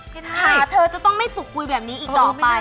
ไม่ได้ค่ะเธอจะต้องไม่ตุกกุยแบบนี้อีกต่อไป